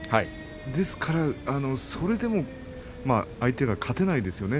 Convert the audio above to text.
ですから、それでも相手が勝てないですよね。